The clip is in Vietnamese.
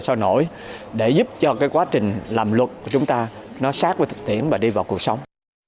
sôi nổi để giúp cho cái quá trình làm luật của chúng ta nó sát với thực tiễn và đi vào cuộc sống